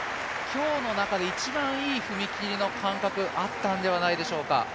今日の中で一番いい踏み切りの感覚、あったんではないでしょうか。